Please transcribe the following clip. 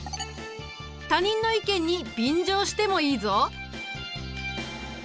他人の意見に便乗してもいいぞ。